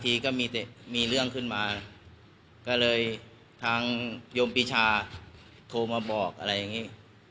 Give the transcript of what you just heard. ก็มีแต่มีเรื่องขึ้นมาก็เลยทางโยมปีชาโทรมาบอกอะไรอย่างนี้